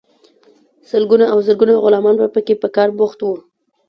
لسګونه او زرګونه غلامان به پکې په کار بوخت وو.